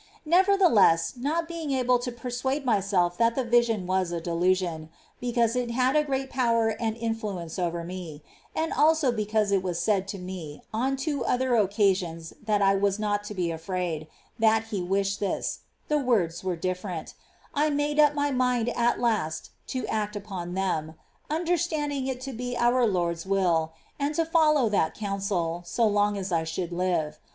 Nevertheless, not being able to persuade myself that the vision was a delusion, because it had a great power and influence over me, and also because it was said to me on two other occasions that I was not to be afraid, that He wished this, — the words were different, — I made up my mind at last to act upon them, understanding it to be our Lord's will, and to follow that counsel so long as I should live.